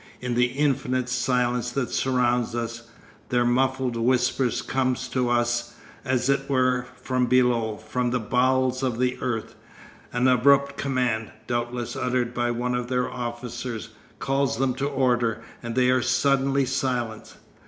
In the infinite silence that surrounds us, their muffled whispers come to us, as it were, from below, from the bowels of the earth. An abrupt command, doubtless uttered by one of their officers, calls them to order, and they are suddenly silent.